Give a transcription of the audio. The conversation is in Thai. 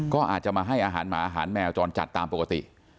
ก็อาจจะมาให้อาหารแมวจนจัดตามปกติ